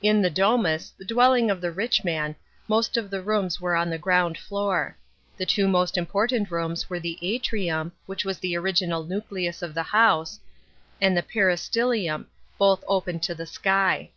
In the domus, the dwelling of the rich man, most of the rooms were on the ground floor. The two most important rooms were the atrium, which was the original nucleus of the house, and the peristylium, both open to the sky.